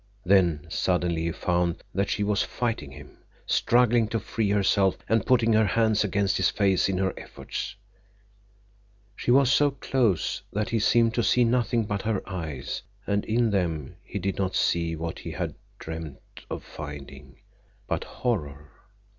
Then, suddenly, he found that she was fighting him, struggling to free herself and putting her hands against his face in her efforts. She was so close that he seemed to see nothing but her eyes, and in them he did not see what he had dreamed of finding—but horror.